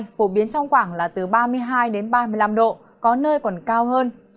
nhiệt độ cao nhất ngày mai sẽ có mưa rông trong khoảng là từ ba mươi hai ba mươi năm độ có nơi còn cao hơn